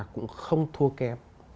cũng không thua kém